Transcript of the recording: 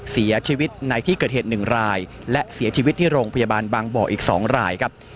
เสียชีวิตในที่เกิดเหตุ๑รายและเสียชีวิตที่โรงพยาบาลบางบ่ออีก๒รายครับ